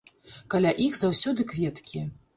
Каля іх заўсёды кветкі.